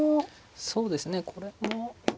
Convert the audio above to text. そうですねこれも。